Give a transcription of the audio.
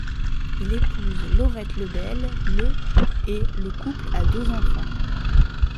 Il épouse Laurette Lebel le et le couple a deux enfants.